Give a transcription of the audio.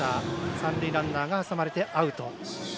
三塁ランナーが挟まれてアウト。